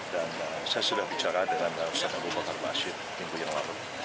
dan saya sudah bicara dengan ustadz abu bakar mba asyir minggu yang lalu